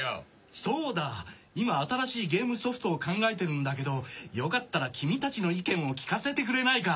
そうだ今新しいゲームソフトを考えてるんだけどよかったら君たちの意見を聞かせてくれないか？